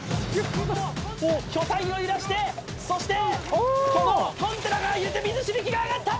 巨体を揺らしてそしてこのコンテナが揺れて水しぶきが上がった！